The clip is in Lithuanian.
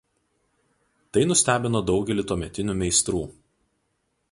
Tai nustebino daugelį tuometinių meistrų.